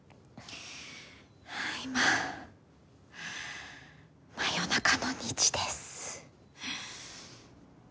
今真夜中の２時です。